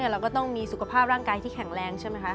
เราก็ต้องมีสุขภาพร่างกายที่แข็งแรงใช่ไหมคะ